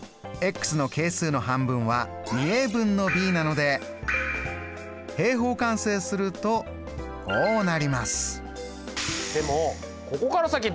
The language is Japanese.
の係数の半分はなので平方完成するとこうなります。